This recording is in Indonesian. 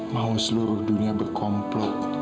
mau seluruh dunia berkomplot